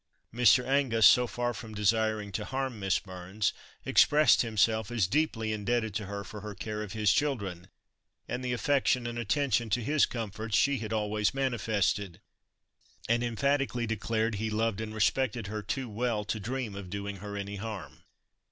Mr. Angus, so far from desiring to harm Miss Burns, expressed himself as deeply indebted to her for her care of his children and the affection and attention to his comforts she had always manifested, and emphatically declared he "loved and respected her too well to dream of doing her any harm."